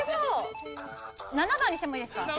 ７番にしてもいいですか？